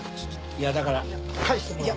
いやだから返してもらうわ！